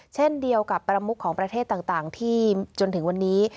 เช่นเดียวกับประมุขของประเทศต่างที่จนถึงวันนี้